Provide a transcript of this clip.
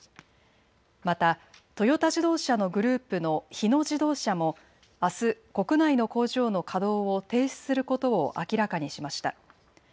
またトヨタ自動車のグループの日野自動車もあす、国内の工場の稼働を停止することを明らかにしました。